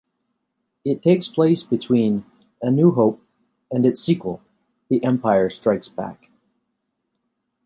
It takes place between "A New Hope" and its sequel "The Empire Strikes Back".